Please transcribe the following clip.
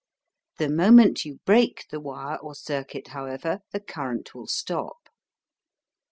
The moment you break the wire or circuit, however, the current will stop.